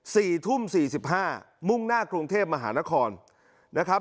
สี่ทุ่มสี่สิบห้ามุ่งหน้ากรุงเทพมหานครนะครับ